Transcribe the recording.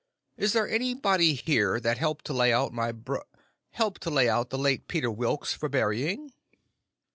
Is there anybody here that helped to lay out my br—helped to lay out the late Peter Wilks for burying?"